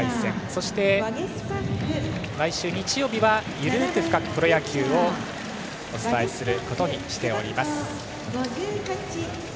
そして毎週に日曜日は「ゆるく深く！プロ野球」をお伝えすることにしています。